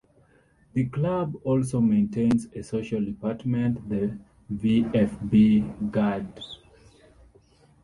The club also maintains a social department, the "VfB-Garde".